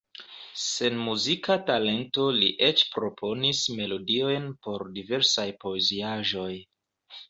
Sen muzika talento li eĉ proponis melodiojn por diversaj poeziaĵoj.